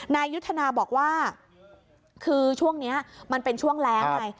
นายยุทธนาบอกว่าคือช่วงนี้มันเป็นช่วงแรงไง